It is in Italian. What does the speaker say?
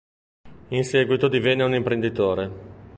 In seguito divenne un imprenditore.